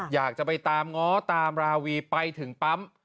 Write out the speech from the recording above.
อยากจะไปตามง้อตามราวีไปถึงปั๊ม